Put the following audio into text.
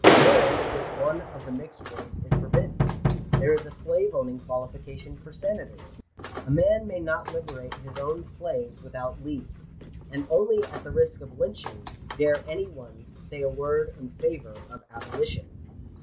Marriage with one of the mixed race is forbidden ; there is a slave owning qualification for senators; a man may not liberate his own slaves without leave ; and only at the risk of lynching dare any one say a word in favour of abolition.